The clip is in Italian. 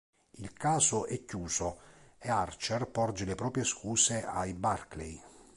Il caso è chiuso e Archer porge le proprie scuse ai Barkley.